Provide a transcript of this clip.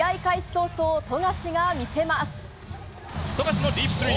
早々、富樫が魅せます！